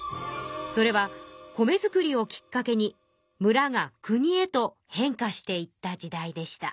それは米作りをきっかけにむらがくにへと変化していった時代でした。